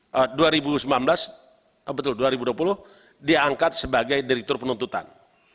kebetulan dua ribu sembilan belas betul dua ribu dua puluh diangkat sebagai direktur penuntutan